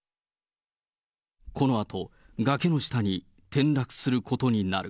このあと、崖の下に転落することになる。